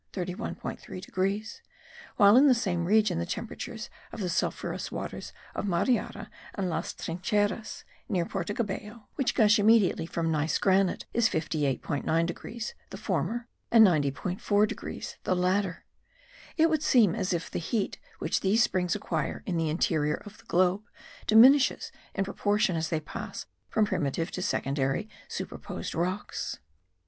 3 degrees); while in the same region the temperature of the sulphurous waters of Mariara and Las Trincheras (near Porto Cabello), which gush immediately from gneiss granite, is 58.9 degrees the former, and 90.4 degrees the latter. It would seem as if the heat which these springs acquire in the interior of the globe diminishes in proportion as they pass from primitive to secondary superposed rocks.